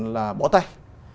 là bỏ tay